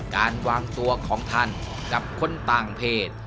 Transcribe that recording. การวางตัวของท่านกับคนต่างเพจ